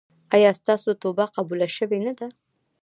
ایا ستاسو توبه قبوله شوې نه ده؟